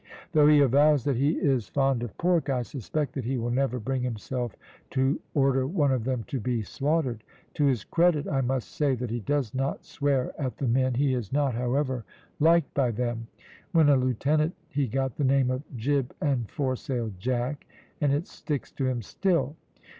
Though he avows that he is fond of pork, I suspect that he will never bring himself to order one of them to be slaughtered. To his credit I must say that he does not swear at the men; he is not, however, liked by them. When a lieutenant he got the name of `Jib and Foresail Jack,' and it sticks to him still.